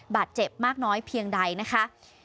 บาดเจ็บมากน้อยเพียงใดนะคะ